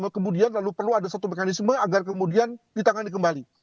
kemudian lalu perlu ada satu mekanisme agar kemudian ditangani kembali